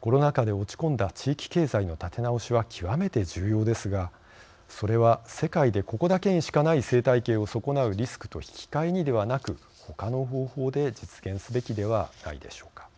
コロナ禍で落ち込んだ地域経済の立て直しは極めて重要ですがそれは世界でここだけにしかない生態系を損なうリスクと引き換えにではなくほかの方法で実現すべきではないでしょうか。